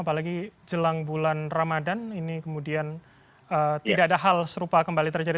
apalagi jelang bulan ramadan ini kemudian tidak ada hal serupa kembali terjadi